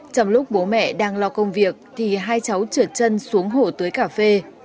trong lúc bố mẹ đang lo công việc thì hai cháu trượt chân xuống hồ tưới cà phê